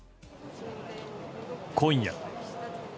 今夜。